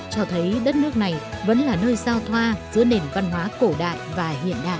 cho thấy đất nước này vẫn là nơi giao thoa giữa nền văn hóa cổ đại và hiện đại